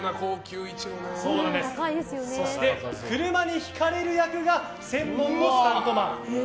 そして、車にひかれる役が専門のスタントマン。